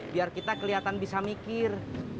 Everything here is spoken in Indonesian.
biar kita kelihatan bisa mikir